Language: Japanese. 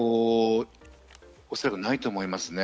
おそらくないと思いますね。